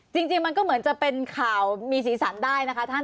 จริงมันก็เหมือนจะเป็นข่าวมีสีสันได้นะคะท่าน